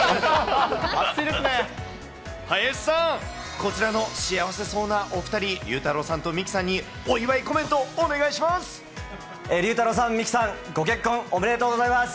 林さん、こちらの幸せそうなお２人、りゅうたろうさん、みきさんにお祝いコメントお願いします。